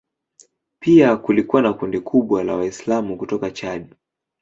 Pia kulikuwa na kundi kubwa la Waislamu kutoka Chad.